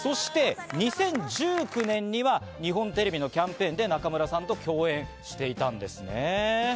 そして２０１９年には日本テレビのキャンペーンで、中村さんと共演していたんですね。